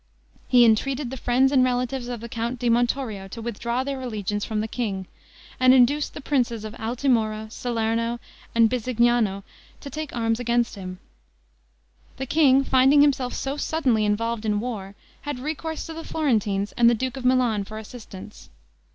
He entreated the friends and relatives of the Count di Montorio to withdraw their allegiance from the king, and induced the princes of Altimura, Salerno, and Bisignano to take arms against him. The king, finding himself so suddenly involved in war, had recourse to the Florentines and the duke of Milan for assistance.